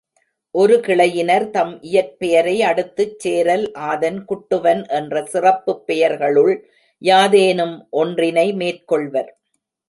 ஒரு கிளையினர், தம் இயற்பெயரை அடுத்துச் சேரல், ஆதன், குட்டுவன் என்ற சிறப்புப் பெயர்களுள் யாதேனும் ஒன்றினை மேற்கொள்வர்.